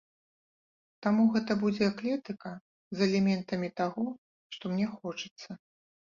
Таму гэта будзе эклектыка з элементамі таго, што мне хочацца.